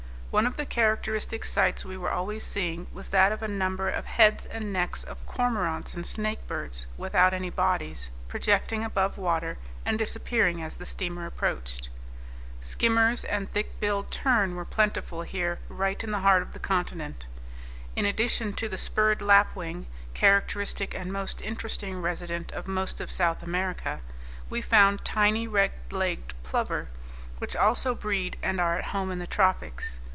One of the characteristic sights we were always seeing was that of a number of heads and necks of cormorants and snake birds, without any bodies, projecting above water, and disappearing as the steamer approached. Skimmers and thick billed tern were plentiful here right in the heart of the continent. In addition to the spurred lapwing, characteristic and most interesting resident of most of South America, we found tiny red legged plover which also breed and are at home in the tropics.